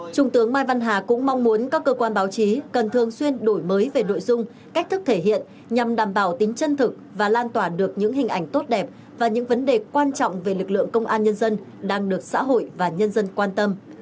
trung tướng mai văn hà cũng mong muốn các cơ quan báo chí cần thường xuyên đổi mới về nội dung cách thức thể hiện nhằm đảm bảo tính chân thực và lan tỏa được những hình ảnh tốt đẹp và những vấn đề quan trọng về lực lượng công an nhân dân đang được xã hội và nhân dân quan tâm